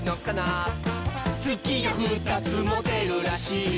「つきが２つもでるらしい」